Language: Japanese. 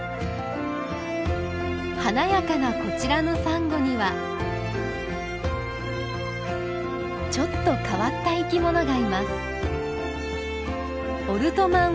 華やかなこちらのサンゴにはちょっと変わった生きものがいます。